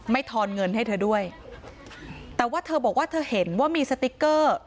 ทอนเงินให้เธอด้วยแต่ว่าเธอบอกว่าเธอเห็นว่ามีสติ๊กเกอร์